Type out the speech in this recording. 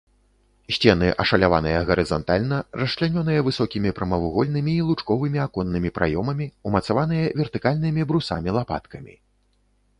Сцены ашаляваныя гарызантальна, расчлянёныя высокімі прамавугольнымі і лучковымі аконнымі праёмамі, умацаваныя вертыкальнымі брусамі-лапаткамі.